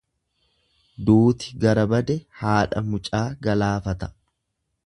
Duuti gara bade haadha mucaa galaafata.